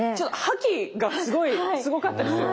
覇気がすごい。すごかったです。